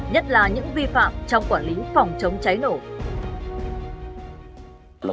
nhất là những vi phạm trong quản lý phòng chống cháy nổ